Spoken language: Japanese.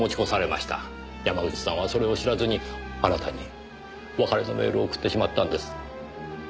山口さんはそれを知らずにあなたに別れのメールを送ってしまったんです。